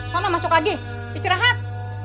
kau mau masuk lagi istirahat